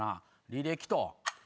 履歴と。